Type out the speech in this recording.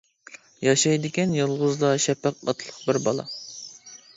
ياشايدىكەن يالغۇزلا، شەپەق ئاتلىق بىر بالا.